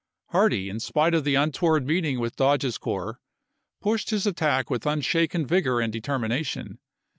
Hardee, in spite of the untoward meeting with Dodge's corps, pushed his attack with unshaken vigor and determination.